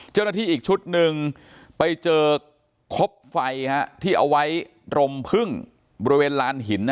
เจ้าหน้าที่อีกชุดหนึ่งไปเจอครบไฟฮะที่เอาไว้รมพึ่งบริเวณร้านหินนะฮะ